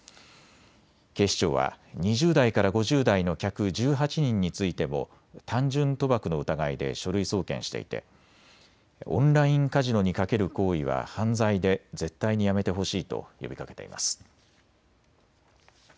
警視庁は２０代から５０代の客１８人についても単純賭博の疑いで書類送検していてオンラインカジノに賭ける行為は犯罪で絶対にやめてほしいと呼びかけています。